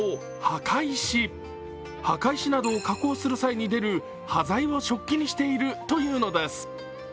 墓石などを加工する際に出る端材を食器にしているというのです。